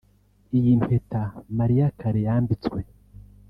Iyi mpeta Mariah Carey yambitswe